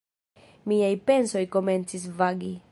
Miaj pensoj komencis vagi.